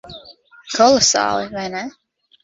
Kolosāli. Vai ne?